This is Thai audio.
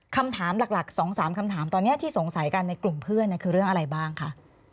คำถามหลัก๒๓คำถามตอนนี้ที่สงสัยกันในกลุ่มเพื่อนคือเรื่องอะไรบ้างคะ